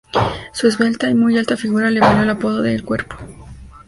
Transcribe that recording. Su esbelta y muy alta figura le valió el apodo de "El cuerpo".